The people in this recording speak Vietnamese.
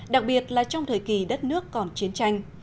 đặc biệt là trong thời kỳ đất nước còn chiến tranh